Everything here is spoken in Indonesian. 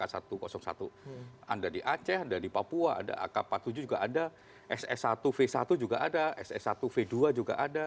anda di aceh anda di papua ada ak empat puluh tujuh juga ada ss satu v satu juga ada ss satu v dua juga ada